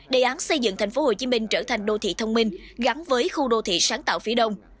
đề án xây dựng thành phố hồ chí minh trở thành đô thị thông minh gắn với khu đô thị sáng tạo phía đông